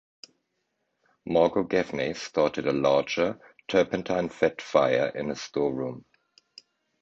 Margo Gaffney started a larger, turpentine-fed fire in a storeroom.